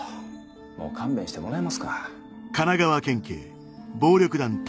もう勘弁してもらえますか？